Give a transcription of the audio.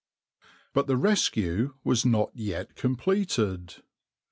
But the rescue was not yet completed.